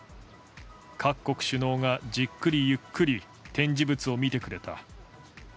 各国首脳がじっくりゆっくり展示物を見てくれた。